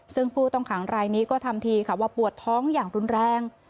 ซึ่งผู้ตังขางรายนี้ก็ธรรมทีว่าปวดท้องอย่างรุนแรง